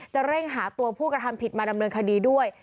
เร่งหาตัวผู้กระทำผิดมาดำเนินคดีด้วย